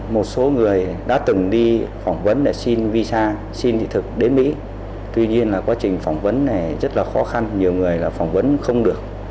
một số người đã từng đi phỏng vấn để xin visa xin thị thực đến mỹ tuy nhiên là quá trình phỏng vấn này rất là khó khăn nhiều người là phỏng vấn không được